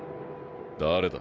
誰だ？